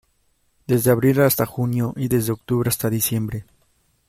Desde abril hasta junio y desde octubre hasta diciembre.